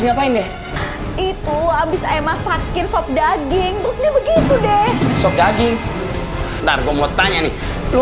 ngapain deh itu habis emas sakin sob daging terus begitu deh sop daging ntar gue mau tanya nih lu